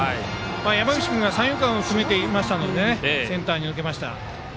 山口君が三遊間にいましたのでセンターに抜けました。